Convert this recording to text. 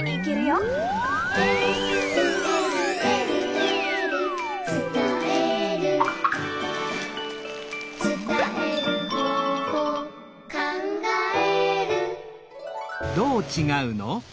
「えるえるえるえる」「つたえる」「つたえる方法」「かんがえる」